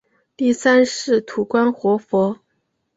第三世土观活佛。